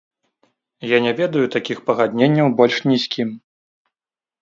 Я не ведаю такіх пагадненняў больш ні з кім!